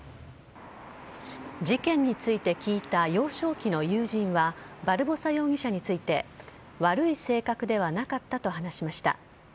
事件について聞いた幼少期の友人はバルボサ容疑者について悪い性格ではなかったと話しました。